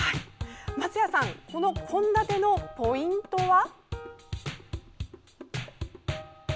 松谷さんこの献立のポイントは？